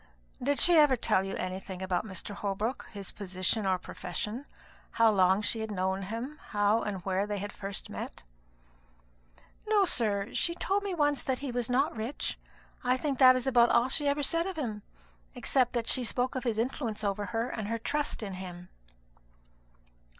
"Did she ever tell you anything about Mr. Holbrook his position or profession? how long she had known him? how and where they had first met?" "No, sir. She told me once that he was not rich; I think that is about all she ever said of him, except when she spoke of his influence over her, and her trust in him."